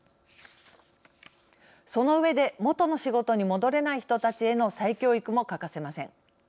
その上で元の仕事に戻れない人たちへの再教育も欠かせません。